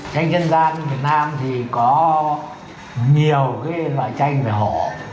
tranh dân gian việt nam thì có nhiều loại tranh về hổ